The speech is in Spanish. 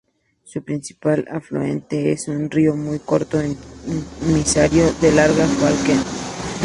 Su principal afluente es un río muy corto emisario del lago Falkner.